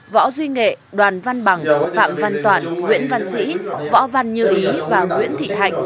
võ duy nghệ đoàn văn bằng phạm văn toản nguyễn văn sĩ võ văn như ý và nguyễn thị hạnh